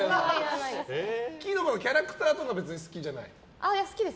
キノコのキャラクターとかは別に好きじゃない？